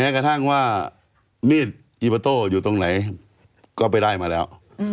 กระทั่งว่ามีดอีปอโต้อยู่ตรงไหนก็ไปได้มาแล้ว